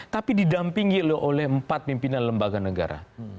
tapi didampingi oleh empat pimpinan lembaga negara